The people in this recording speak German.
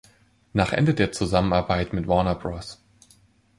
Nach Ende der Zusammenarbeit mit Warner Bros.